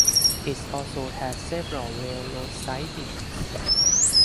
It also had several railroad sidings.